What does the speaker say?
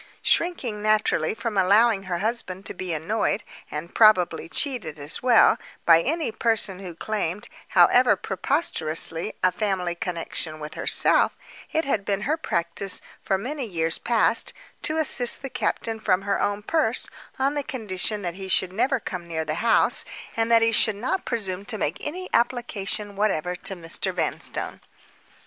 Shrinking, naturally, from allowing her husband to be annoyed, and probably cheated as well, by any person who claimed, however preposterously, a family connection with herself, it had been her practice, for many years past, to assist the captain from her own purse, on the condition that he should never come near the house, and that he should not presume to make any application whatever to Mr. Vanstone.